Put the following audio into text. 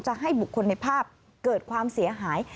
ให้บุคคลในภาพเกิดความเสียหาย